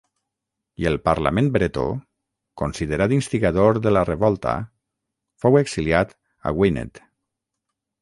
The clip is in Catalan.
I el parlament bretó, considerat instigador de la revolta, fou exiliat a Gwened.